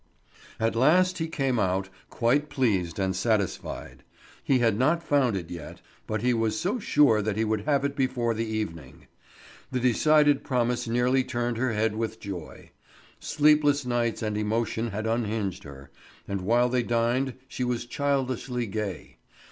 At last he came out, quite pleased and satisfied. He had not found it yet, but he was so sure that he would have it before the evening. The decided promise nearly turned her head with joy. Sleepless nights and emotion had unhinged her, and while they dined she was childishly gay.